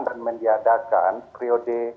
dan mendiadakan priode